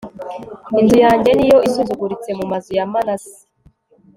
inzu yanjye ni yo isuzuguritse mu mazu ya manase